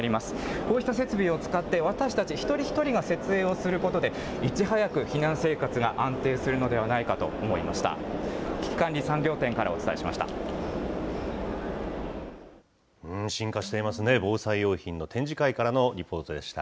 こうした設備を使って、私たち一人一人が設営をすることで、いち早く避難生活が安定するのではないかと思いました。